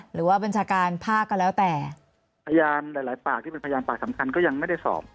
บัญชาการภาคก็แล้วแต่พยานหลายหลายปากที่เป็นพยานปากสำคัญก็ยังไม่ได้สอบ